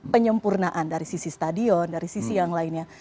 penyempurnaan dari sisi stadion dari sisi yang lainnya